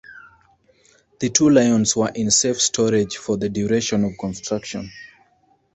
The two lions were in safe storage for the duration of the construction.